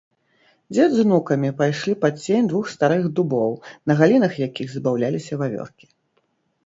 Дзед з унукамі пайшлі пад цень двух старых дубоў, на галінах якіх забаўляліся вавёркі.